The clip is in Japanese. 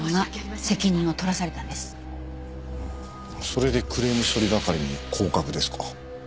それでクレーム処理係に降格ですか。